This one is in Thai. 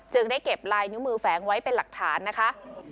ได้เก็บลายนิ้วมือแฝงไว้เป็นหลักฐานนะคะ